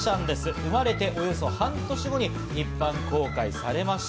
生まれておよそ半年後に一般公開されました。